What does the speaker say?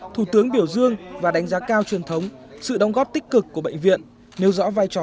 thủ tướng biểu dương và đánh giá cao truyền thống sự đóng góp tích cực của bệnh viện nêu rõ vai trò